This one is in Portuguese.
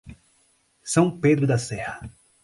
São Pedro da Serra